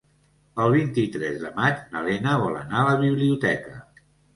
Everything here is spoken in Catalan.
El vint-i-tres de maig na Lena vol anar a la biblioteca.